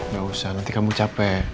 gak usah nanti kamu capek